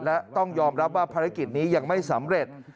และต้องยอมรับว่าภารกิจนี้ยังไม่สำเร็จ